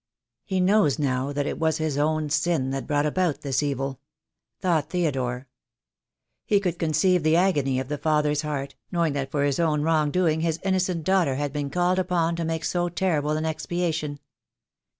"He knows now that it was his own sin that brought about this evil," thought Theodore. He could conceive the agony of the father's heart, knowing that for his own wrong doing his innocent daughter had been called upon to make so terrible an expiation.